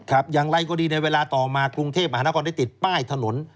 อย่างไรก็ดีในเวลาต่อมากรุงเทพมหานครได้ติดป้ายถนน